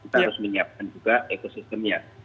kita harus menyiapkan juga ekosistemnya